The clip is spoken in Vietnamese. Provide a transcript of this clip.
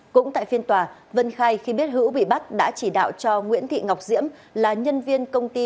cũng tại phiên tòa vân khai khi biết hữu bị bắt đã chỉ đạo cho nguyễn thị ngọc diễm là nhân viên công ty